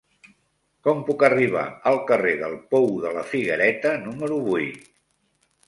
Com puc arribar al carrer del Pou de la Figuereta número vuit?